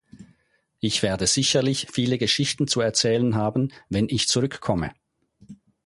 Ich werde sicherlich viele Geschichten zu erzählen haben, wenn ich zurückkomme.